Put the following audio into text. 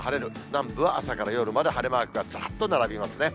南部は朝から夜まで晴れマークがずらっと並びますね。